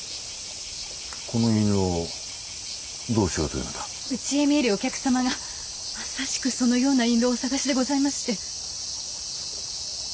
うちへ見えるお客様がまさしくそのような印籠をお探しでございまして。